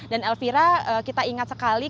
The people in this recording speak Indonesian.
dan elvira kita ingat sekali